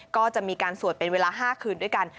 ก็จะมีการสวดเป็นเวลา๕คืนด้วยกัน